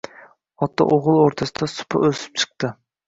Ota-o‘g‘il o‘rtasida supa o‘sib chiqdi.